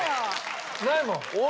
ないもん。